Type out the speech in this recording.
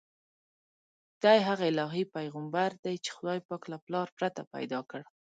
دی هغه الهي پیغمبر دی چې خدای پاک له پلار پرته پیدا کړ.